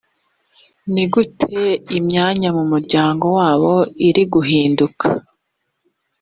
ni gute imyanya mu muryango wabo iri guhinduka